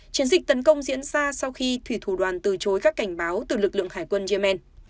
chiến dịch tấn công diễn ra sau khi thủy thủ đoàn từ chối các cảnh báo từ lực lượng hải quân yemen